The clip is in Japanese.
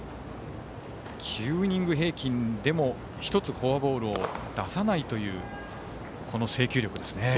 ９イニング平均でも１つフォアボールを出さないというこの制球力ですね。